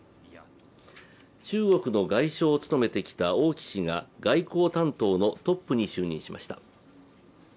中国の外相を務めてきた王毅氏が外交担当のトップに就任しました。